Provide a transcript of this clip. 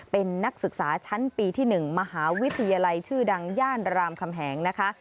เป็นนักศึกษาชั้นปีที่๑มหาวิทยาลัยชื่อดังย่านรามคำแหงนะคะ